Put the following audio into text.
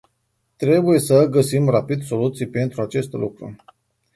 Trebuie să găsim rapid soluții pentru acest lucru.